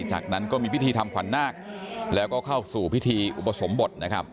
จากนั้นก็มีพิธีทำขวัญนาคแล้วก็เข้าสู่พิธีอุปสมบทนะครับ